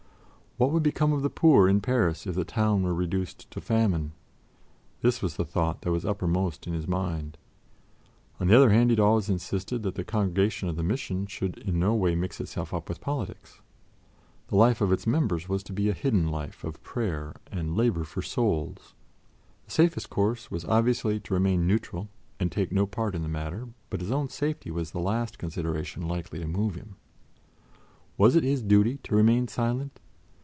What would become of the poor in Paris if the town were reduced to famine? This was the thought that was uppermost in his mind. On the other hand, he had always insisted that the Congregation of the Mission should in no way mix itself up with politics. The life of its members was to be a hidden life of prayer and labor for souls. The safest course was obviously to remain neutral and take no part in the matter; but his own safety was the last consideration likely to move him. Was it his duty to remain silent?